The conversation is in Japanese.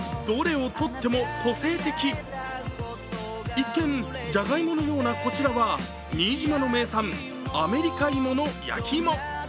一見、じゃがいものようなこちらは新島の名産、あめりか芋の焼き芋。